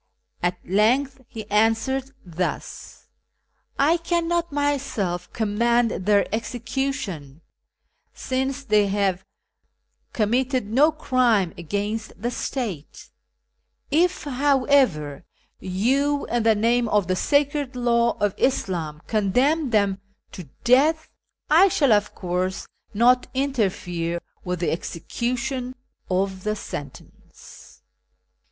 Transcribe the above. At length he answered thus :' I cannot myself command their execution, since they have com 214 A YEAR AMONGST THE PERSIANS mitted no crime against the state. If, however, you, in the name of the sacred hiw of IsLhn, condenni theiu to death, I shall, \:)i course, not interfere with the execution of the sentence.